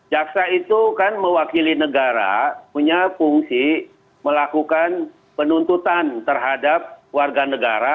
jaksa itu kan mewakili negara punya fungsi melakukan penuntutan terhadap warga negara